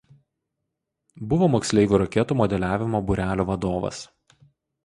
Buvo moksleivių raketų modeliavimo būrelio vadovas.